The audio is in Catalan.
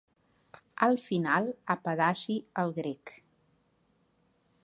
Al final, apedaci el grec.